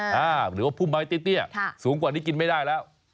หรือว่าพุ่มไม้เตี้ยสูงกว่านี้กินไม่ได้แล้ว